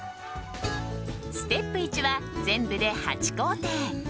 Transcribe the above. ステップ１は全部で８工程。